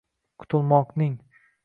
Qutulmoqning